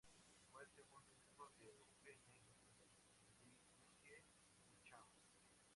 Fue el segundo hijo de Eugene y Lucie Duchamp.